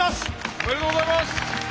おめでとうございます！